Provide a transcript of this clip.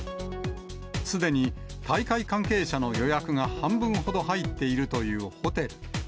すでに大会関係者の予約が半分ほど入っているというホテル。